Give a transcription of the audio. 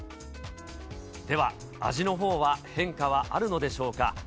では、味のほうは変化はあるのでしょうか。